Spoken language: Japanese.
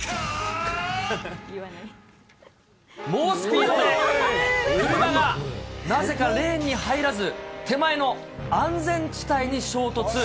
猛スピードで車がなぜかレーンに入らず、手前の安全地帯に衝突。